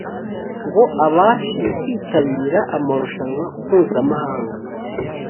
ngo abashe kwitabira amarushanwa mpuzamahanga.